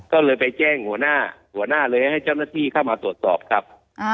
ก็เลยไปแจ้งหัวหน้าหัวหน้าเลยให้เจ้าหน้าที่เข้ามาตรวจสอบครับ